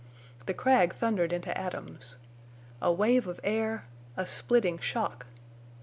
The crag thundered into atoms. A wave of air—a splitting shock!